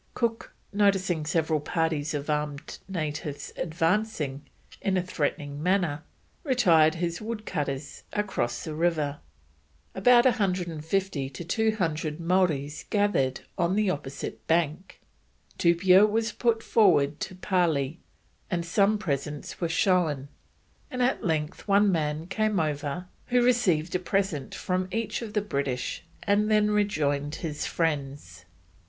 Cook, noticing several parties of armed natives advancing in a threatening manner, retired his woodcutters across the river. About 150 to 200 Maoris gathered on the opposite bank. Tupia was put forward to parley, and some presents were shown, and at length one man came over who received a present from each of the British and then rejoined his friends.